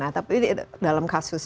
tapi dalam kasus